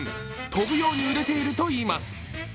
飛ぶように売れているといいます。